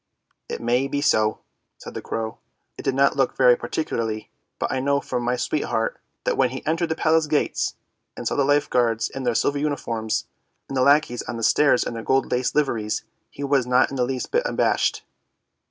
" It may be so," said the crow; " I did not look very parti cularly ! but I know from my sweetheart, that when he entered the Palace gates, and saw the life guards in the silver uniforms, and the lackeys on the stairs in their gold laced liveries, he was not the least bit abashed.